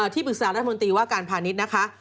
ที่ปรึกษารัฐมนตรีว่าการพาณิชย์นะคะ